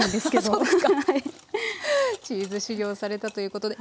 チーズ修業されたということで。